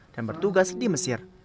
dan bertugas di mesir